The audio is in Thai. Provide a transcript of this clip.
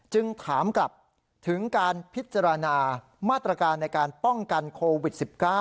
จึงถามกลับถึงการพิจารณามาตรการในการป้องกันโควิด๑๙